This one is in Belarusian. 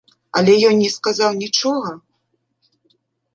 Але ён не сказаў нічога?